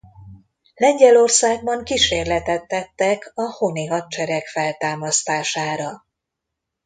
Lengyelországban kísérletet tettek a Honi Hadsereg feltámasztására.